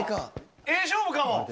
ええ勝負かも。